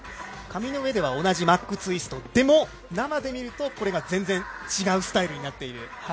紙の上では同じマックツイストでも、生で見ると、これが全然違うスタイルになっている。